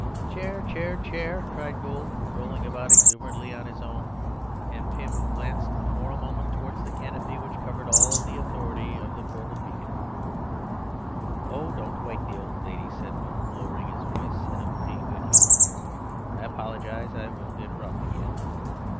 "Chair! Chair! Chair!" cried Gould, rolling about exuberantly in his own; and Pym glanced for a moment towards the canopy which covered all the authority of the Court of Beacon. "Oh, don't wake the old lady," said Moon, lowering his voice in a moody good humour. "I apologize. I won't interrupt again."